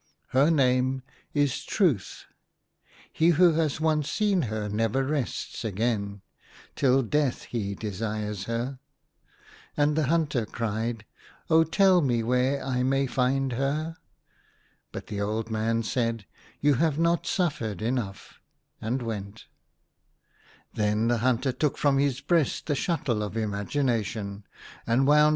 " Her name is Truth. He who has once seen her never rests again. Till death he desires her." And the hunter cried —" Oh, tell me where I may find her." But the man said, " You have not suffered enough," and went Then the hunter took from his breast the shuttle of Imagination, and wound THE HUNTER.